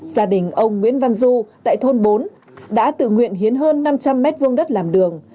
gia đình ông nguyễn văn du tại thôn bốn đã tự nguyện hiến hơn năm trăm linh m hai đất làm đường